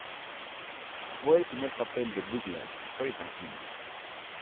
Fue el primer papel de Douglas Fairbanks Jr.